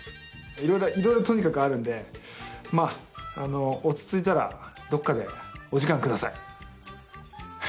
いろいろとにかくあるんで落ち着いたらどこかでお時間ください。